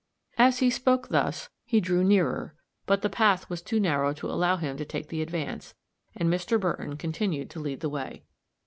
As he spoke thus, he drew nearer, but the path was too narrow to allow him to take the advance, and Mr. Burton continued to lead the way.